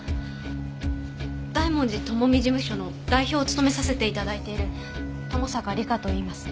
大文字智美事務所の代表を務めさせて頂いている友坂梨香といいます。